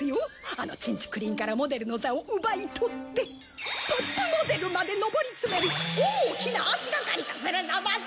あのちんちくりんからモデルの座を奪い取ってトップモデルまで上り詰める大きな足がかりとするザマス！